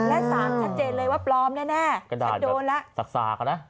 และสามชัดเจนเลยว่าปลอมแน่จะโดนละ